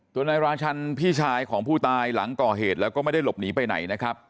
นายราชันพี่ชายของผู้ตายหลังก่อเหตุแล้วก็ไม่ได้หลบหนีไปไหนนะครับ